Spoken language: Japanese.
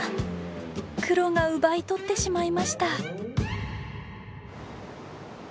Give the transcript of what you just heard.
クロが奪い取ってしまいました。